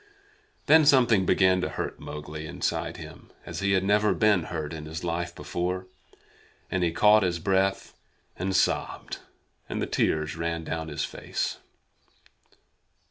Then something began to hurt Mowgli inside him, as he had never been hurt in his life before, and he caught his breath and sobbed, and the tears ran down his face.